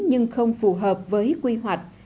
nhưng không phù hợp với quy hoạch